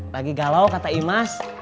lagi galau kata imas